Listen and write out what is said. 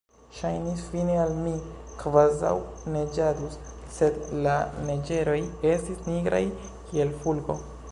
Ŝajnis fine al mi, kvazaŭ neĝadus, sed la neĝeroj estis nigraj kiel fulgo.